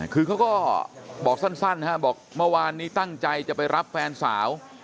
คือเขาก็บอกสั้นบอกเมื่อวานนี้ตั้งใจจะไปรับแฟนสาว